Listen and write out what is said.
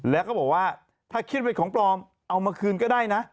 แล้วก็บอกว่าถ้าคิดเป็นของปลอมเอามาคืนก็ได้นะ